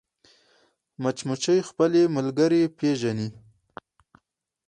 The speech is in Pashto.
مچمچۍ خپلې ملګرې پېژني